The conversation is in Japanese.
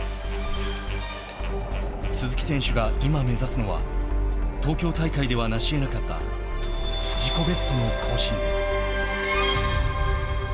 鈴木選手が今目指すのは東京大会ではなし得なかった自己ベストの更新です。